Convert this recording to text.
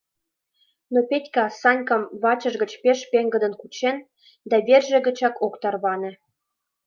Но Петька Санькам вачыж гыч пеш пеҥгыдын кучен да верже гычат ок тарване.